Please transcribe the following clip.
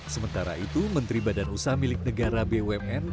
sementara itu menteri badan usaha milik negara bumn